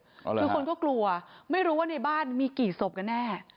คือคนก็กลัวไม่รู้ว่าในบ้านมีกี่ศพกันแน่